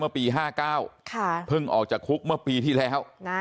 ปี๕๙เพิ่งออกจากคุกเมื่อปีที่แล้ว